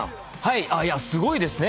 すごいですね。